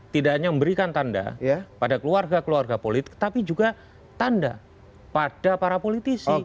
tidak hanya memberikan tanda pada keluarga keluarga politik tapi juga tanda pada para politisi